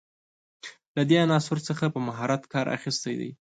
له دې عنصر څخه په مهارت کار اخیستی دی.